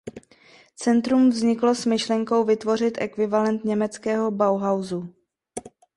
Centrum vzniklo s myšlenkou vytvořit ekvivalent německého Bauhausu.